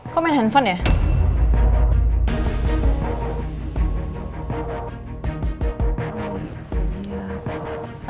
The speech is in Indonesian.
kok main handphone ya